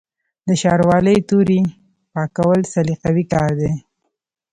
د شاروالۍ تورې پاکول سلیقوي کار دی.